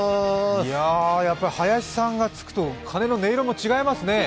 やっぱり林さんがつくと鐘の音色も違いますね。